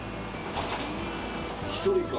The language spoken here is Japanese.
「１人か？」